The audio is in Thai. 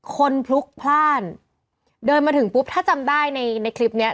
พลุกพลาดเดินมาถึงปุ๊บถ้าจำได้ในในคลิปเนี้ย